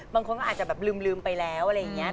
บางคนก็อาจจะแบบลืมไปแล้วอะไรอย่างนี้